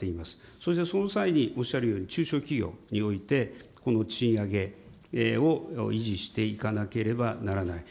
そしてその際におっしゃるように、中小企業において、この賃上げを維持していかなければならない。